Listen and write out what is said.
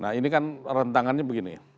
nah ini kan rentangannya begini